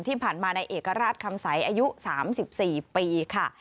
ที่ผ่านมาในเอกราชคำใสอายุ๓๔ปีค่ะ